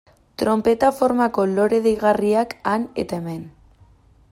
Tronpeta formako lore deigarriak han eta hemen.